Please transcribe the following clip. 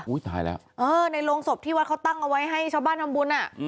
ตายแล้วเออในโรงศพที่วัดเขาตั้งเอาไว้ให้ชาวบ้านทำบุญอ่ะ